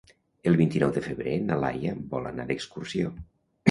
El vint-i-nou de febrer na Laia vol anar d'excursió.